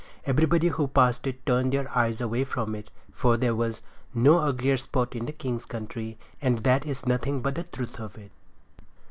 Everybody who passed it turned their eyes away from it, for there was no uglier spot in the king's country; and that is nothing but the truth of it.